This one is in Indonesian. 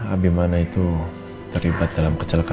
ami mana itu terlibat dalam kecelakaan